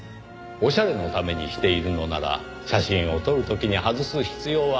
おしゃれのためにしているのなら写真を撮る時に外す必要はありません。